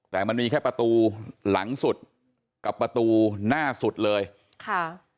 แต่มันมีแค่ประตูหลังสุดกับประตูหน้าสุดเลยค่ะ